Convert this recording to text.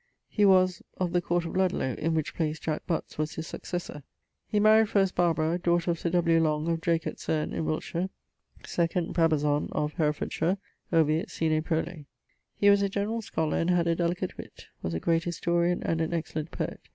He was ... of the court of Ludlowe (in which place Jack Butts was his successor). He maried first Barbara ... daughter of Sir W. Long, of Draycot Cerne, in Wilts: 2d, ... Brabazon, of ... Hereffordshire; obiit sine prole. He was a generall scolar, and had a delicate witt; was a great historian, and an excellent poet.